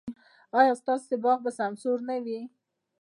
ایا ستاسو باغ به سمسور نه وي؟